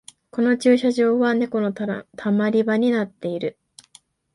この駐車場はネコのたまり場になってる